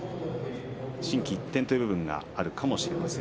心機一転という部分があるかもしれません。